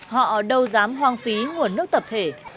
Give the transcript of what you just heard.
họ đâu dám hoang phí nguồn nước tập thể cho công trình của riêng mình